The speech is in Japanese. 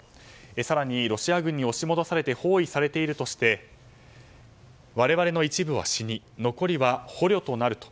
更に、ロシア軍に押し戻されて包囲されているとして我々の一部は死に残りは捕虜となると。